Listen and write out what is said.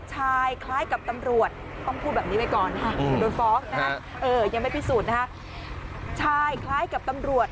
ชายคล้ายกับตำรวจ